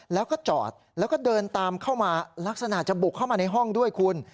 แล้วก็จอดแล้วก็เดินตามเข้ามาลักษณะจะบุกเข้ามาในห้องด้วยคุณ